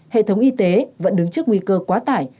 hệ thống y tế vẫn đứng trước nguy cơ quá tải